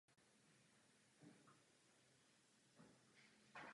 Podařilo se nám najít společné stanovisko vůči Radě.